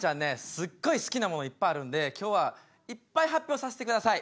すっごい好きなものいっぱいあるんで今日はいっぱい発表させてください。